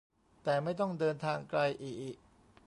แต่ไม่ต้องเดินทางไกลอิอิ